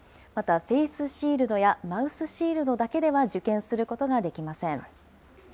またフェイスシールドやマウスシールドだけでは、受験することができません。